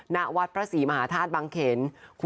ณวัดพระศรีมหาธาตุบังเขน